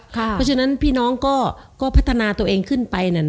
เพราะฉะนั้นพี่น้องก็พัฒนาตัวเองขึ้นไป